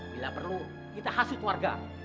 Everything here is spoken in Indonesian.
bila perlu kita hasil warga